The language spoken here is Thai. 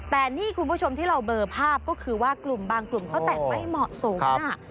แต่นี่คุณผู้ชมที่เราเบลอภาพก็คือว่ากลุ่มบางกลุ่มเขาแต่งไม่เหมาะสม